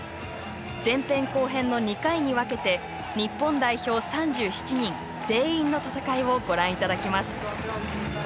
前編・後編の２回に分けて日本代表３７人全員の戦いをご覧いただきます。